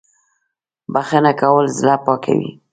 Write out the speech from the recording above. بخښنه کول زړه پاکوي